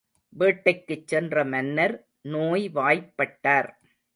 வேட்டைக்குச் சென்ற மன்னர், நோய்வாய்ப்பட்டார்.